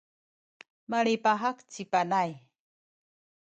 malipahak ci Panay.